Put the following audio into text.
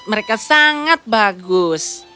mereka sangat bagus